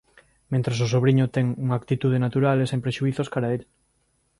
Mentres o sobriño ten unha actitude natural e sen prexuízos cara el.